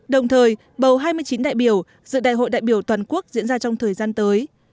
đồng thời bầu hai mươi chín đại biểu dự đại hội đại biểu toàn quốc diễn ra trong thời gian tới